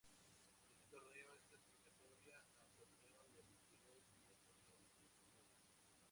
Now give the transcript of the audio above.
Este Torneo es clasificatorio al Torneo del Interior y el Torneo Nacional de Clubes.